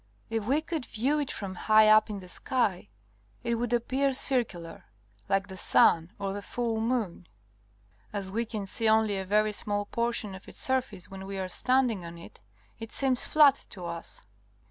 If we could view it from high up in the sky, it would appear circular, like the sun or the full moon. As we can see only a very small portion of its surface when we are standing on it, it seems flat to us.